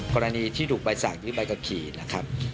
กรณีที่ถูกใบสั่งยึดใบกับทีนะครับ